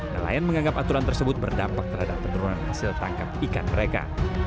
nelayan menganggap aturan tersebut berdampak terhadap penurunan hasil tangkap ikan mereka